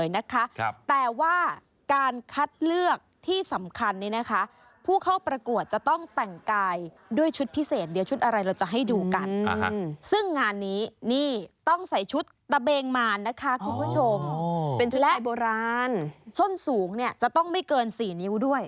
นะคะคุณผู้ชมเป็นชุดไทยโบราณและช่วงสูงเนี่ยจะต้องไม่เกินสี่นิ้วด้วย